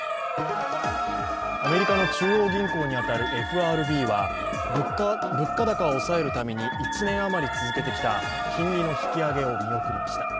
アメリカの中央銀行に当たるＦＲＢは、物価高を抑えるために１年余り続けてきた金利の引き上げを見送りました。